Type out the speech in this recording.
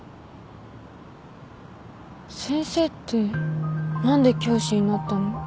先生って何で教師になったの？